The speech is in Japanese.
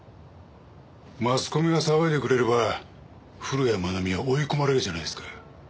マスコミが騒いでくれれば古谷愛美は追い込まれるじゃないですか。